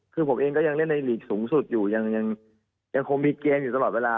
ก็ยังเล่นในหลีกสูงสุดอยู่ยังคงมีเกมส์อยู่ตลอดเวลา